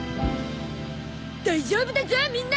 大丈夫だゾみんな！